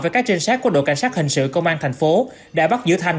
với các trinh sát của đội cảnh sát hình sự công an thành phố đã bắt giữ thanh